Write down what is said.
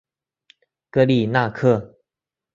戈利纳克。